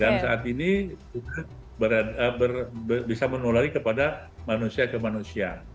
dan saat ini bisa menulari kepada manusia ke manusia